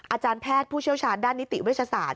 อาจารย์แพทย์ผู้เชี่ยวชาญด้านนิติเวชศาสต